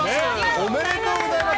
おめでとうございます。